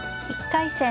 １回戦